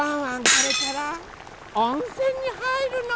これからおんせんにはいるの。